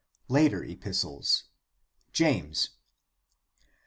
Later epistles: James.